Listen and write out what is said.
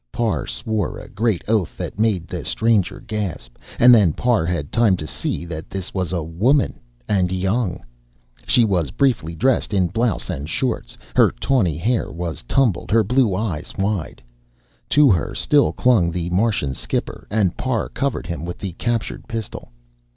Parr swore a great oath, that made the stranger gasp. And then Parr had time to see that this was a woman, and young. She was briefly dressed in blouse and shorts, her tawny hair was tumbled, her blue eyes wide. To her still clung the Martian skipper, and Parr covered him with the captured pistol.